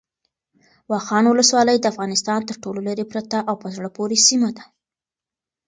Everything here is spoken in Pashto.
واخان ولسوالۍ د افغانستان تر ټولو لیرې پرته او په زړه پورې سیمه ده.